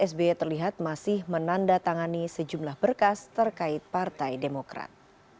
sby terlihat masih menandatangani sejumlah berkas terkait partai demokrat